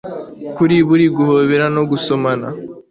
Kuri buri guhobera no gusomana